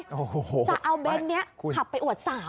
จะเอาเบนท์นี้ขับไปอวดสาว